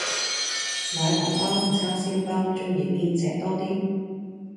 奶黃飽同叉燒飽鍾意邊隻多 D